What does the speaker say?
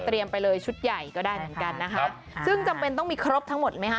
ไปเลยชุดใหญ่ก็ได้เหมือนกันนะคะซึ่งจำเป็นต้องมีครบทั้งหมดไหมคะ